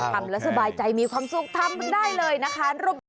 ทำแล้วสบายใจมีความสุขทำได้เลยนะคะ